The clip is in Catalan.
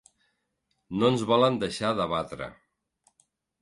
No ens volen deixar debatre.